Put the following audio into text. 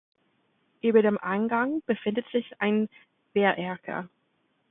Über dem Eingang befindet sich ein Wehrerker.